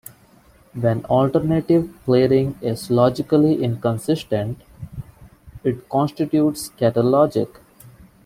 When alternative pleading is logically inconsistent, it constitutes kettle logic.